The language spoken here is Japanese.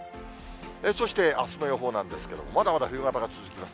そして、あすの予報なんですけれども、まだまだ冬型が続きます。